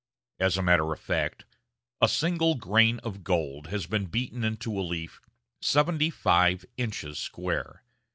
As a matter of fact, a single grain of gold has been beaten into a leaf seventy five inches square.